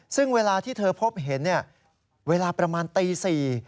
ซึ่งเวลาที่เธอพบเห็นเวลาประมาณตี๔